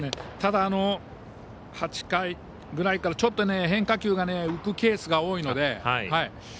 ただ、８回ぐらいからちょっと変化球が浮くケースが多いので。